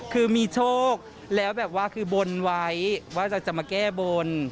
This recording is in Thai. คือมีโชคแล้วบนไว้ว่าจะมาแก้บน